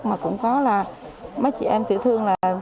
mà cũng có là mấy chị em tự thương